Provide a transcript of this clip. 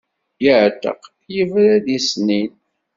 Yeɛteq yebra-d i ṣṣnin.